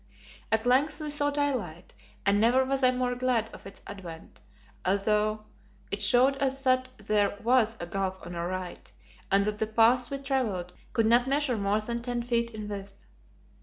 At length we saw daylight, and never was I more glad of its advent, although it showed us that there was a gulf on our right, and that the path we travelled could not measure more than ten feet in width.